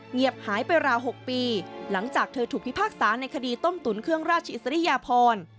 เงียบหายไปราว๖ปีหลังจากเธอถูกพิพากษาในคดีต้มตุ๋นเครื่องราชอิสริยพร